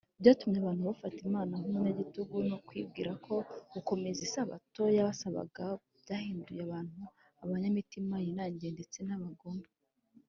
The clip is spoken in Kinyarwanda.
batumye abantu bafata imana nk’umunyagitugu no kwibwira ko gukomeza isabato yabasabaga byahinduye abantu abanyamitima yinangiye ndetse n’abagome